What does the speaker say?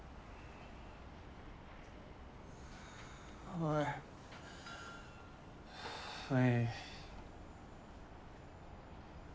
おいおい。